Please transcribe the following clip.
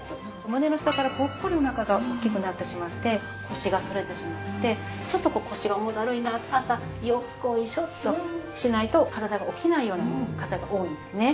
胸の下からポッコリお腹が大きくなってしまって腰が反れてしまってちょっと腰が重だるいな朝よっこいしょとしないと体が起きないような方が多いんですね。